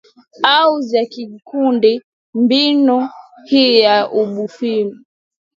au za kikundi Mbinu hii ya ubunifu